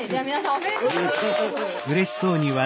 おめでとうございます。